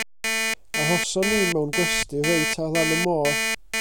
Arhoson ni mewn gwesty reit ar lan y môr.